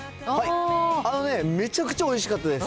あのね、めちゃくちゃおいしかったです。